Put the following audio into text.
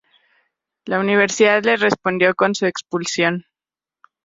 La universidad le respondió con su expulsión.